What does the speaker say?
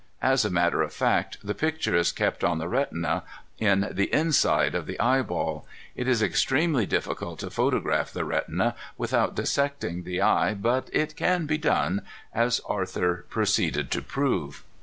As a matter of fact the picture is kept on the retina, in the inside of the eyeball. It is extremely difficult to photograph the retina without dissecting the eye, but it can be done as Arthur proceeded to prove.